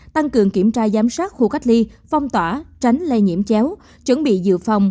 tăng cường kiểm tra giám sát khu cách ly phong tỏa tránh lây nhiễm chéo chuẩn bị dự phòng